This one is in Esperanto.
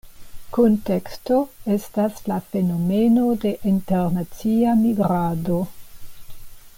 Kunteksto estas la fenomeno de internacia migrado.